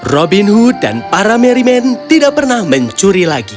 robin hood dan para mary men tidak pernah mencuri lagi